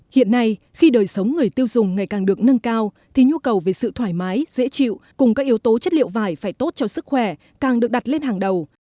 hiện nay khi đời sống người tiêu dùng ngày càng được nâng cao thì nhu cầu về sự thoải mái dễ chịu cùng các yếu tố chất liệu vải phải tốt cho sức khỏe càng được đặt lên hàng đầu